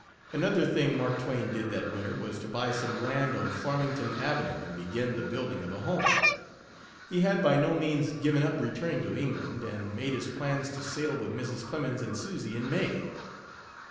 Another thing Mark Twain did that winter was to buy some land on Farmington Avenue and begin the building of a home. He had by no means given up returning to England, and made his plans to sail with Mrs. Clemens and Susy in May.